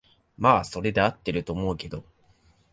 まあそれで合ってると思うけど